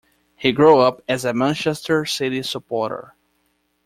He grew up as a Manchester City supporter.